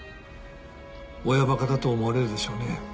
親バカだと思われるでしょうね。